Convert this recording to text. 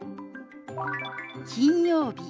「金曜日」。